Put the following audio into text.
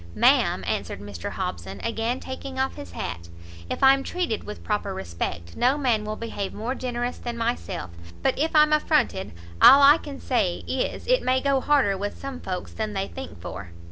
"Ma'am," answered Mr Hobson, again taking off his hat, "if I'm treated with proper respect, no man will behave more generous than myself; but if I'm affronted, all I can say is, it may go harder with some folks than they think for."